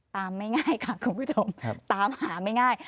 ไม่ง่ายค่ะคุณผู้ชมตามหาไม่ง่าย